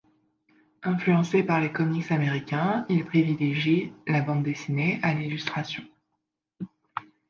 Influencé par les comics américains, il privilégie la bande dessinée à l'illustration.